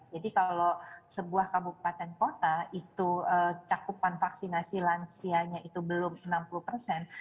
jadi kalau sebuah kabupaten kota itu cakupan vaksinasi lansianya itu belum enam puluh persen